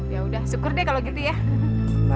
yaudah syukur deh kalau gitu ya